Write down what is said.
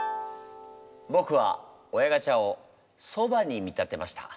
ぼくは「親ガチャ」をそばに見立てました。